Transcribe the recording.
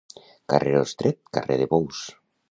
Carreró estret, carrer de bous.